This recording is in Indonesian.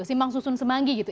simpang susun semanggi gitu